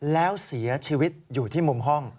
แล้วเสียชีวิตอยู่ที่มุมห้อง